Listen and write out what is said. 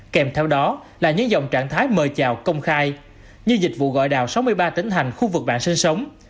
kèm theo đó là những dòng trạng thái mời chào công khai như dịch vụ gọi đào sáu mươi ba tỉnh hành khu vực bạn sinh sống